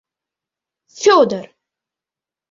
Фёдор!